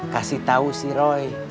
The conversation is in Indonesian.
kasih tau si roy